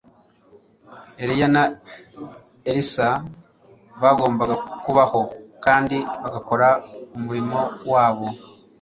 Eliya na Elisa bagombaga kubaho kandi bagakora umurimo wabo